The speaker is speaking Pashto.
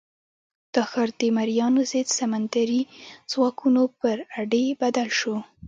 دا ښار د مریانو ضد سمندري ځواکونو پر اډې بدل شو.